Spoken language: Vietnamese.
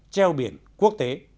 treo biển quốc tế